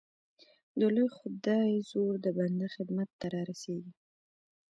د لوی خدای زور د بنده خدمت ته را رسېږي